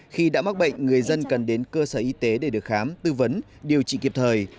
khi đã mắc bệnh người dân cần đến cơ sở y tế để được khám tư vấn điều trị kịp thời